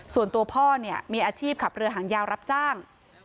ส่วนตัวพ่อเนี่ยมีอาชีพขับเรือหางยาวรับจ้าง